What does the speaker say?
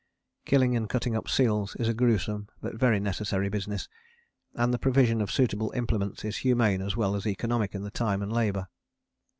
Killing and cutting up seals is a gruesome but very necessary business, and the provision of suitable implements is humane as well as economic in time and labour.